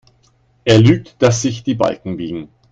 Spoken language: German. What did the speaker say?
Er lügt, dass sich die Balken biegen.